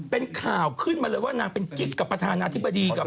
เป็นข่าวขึ้นมาเลยว่านางเป็นกิ๊กกับประธานาธิบดีกับ